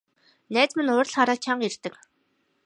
Найз маань уурлахаараа чанга ярьдаг.